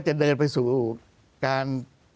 จะไปสู่การ